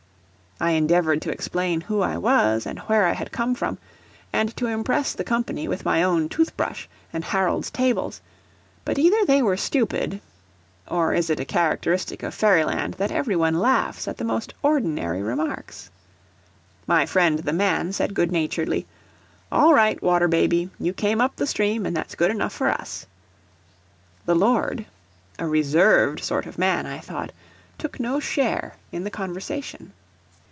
I endeavoured to explain who I was and where I had come from, and to impress the company with my own tooth brush and Harold's tables; but either they were stupid or is it a characteristic of Fairyland that every one laughs at the most ordinary remarks? My friend the Man said good naturedly, "All right, Water baby; you came up the stream, and that's good enough for us." The lord a reserved sort of man, I thought took no share in the conversation.